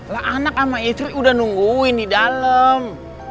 lah anak sama istri udah nungguin di dalam